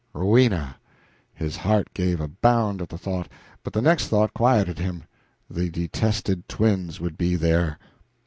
Rowena! His heart gave a bound at the thought, but the next thought quieted it the detested twins would be there.